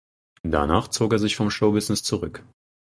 Danach zog er sich vom Showbusiness zurück.